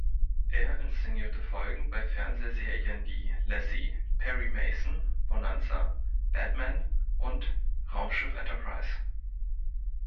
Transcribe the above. Er inszenierte Folgen bei Fernsehserien wie "Lassie", "Perry Mason", "Bonanza", "Batman" und "Raumschiff Enterprise".